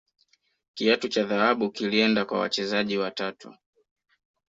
kiatu cha dhahabu kilienda kwa wachezaji watatu